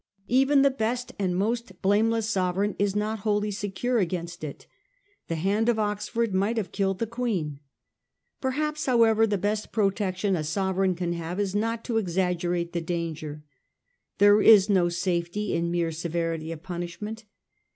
Even the best and most blameless sovereign is not wholly secure against it. The hand of Oxford might have killed the Queen. Perhaps, however, the best protection a sovereign can have is not to ex aggerate the danger. There is no safety in mere severity of punishment.